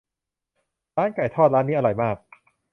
ร้านไก่ทอดร้านนี้อร่อยมาก